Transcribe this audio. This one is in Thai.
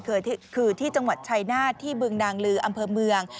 คือที่จังหวัดชายนาฏที่บึงนางลืออำเภอเมือง